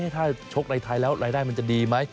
ถ้าชกในไทยแล้วรายได้มันจะดีไหม